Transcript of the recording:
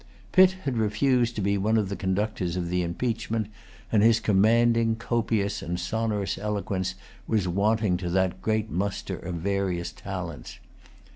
Pitt had refused to be one of the conductors of the impeachment; and his commanding, copious, and sonorous eloquence was wanting to that great muster of various talents.